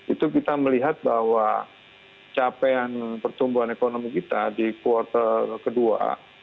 itu kita melihat bahwa capaian pertumbuhan ekonomi kita di kuartal kedua